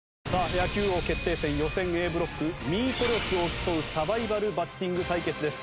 野球王決定戦予選Ａブロックミート力を競うサバイバルバッティング対決です。